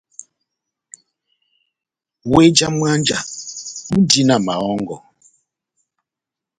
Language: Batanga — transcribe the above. Wéh já mwánja indi na mahɔ́ngɔ.